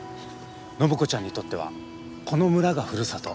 暢子ちゃんにとってはこの村がふるさと。